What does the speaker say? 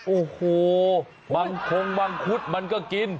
โอ้โหมังคงมังคุดมันก็กิน